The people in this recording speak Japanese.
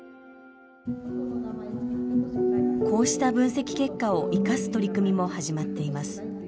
こうした分析結果を生かす取り組みも始まっています。